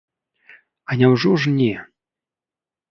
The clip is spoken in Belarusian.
А няўжо ж не!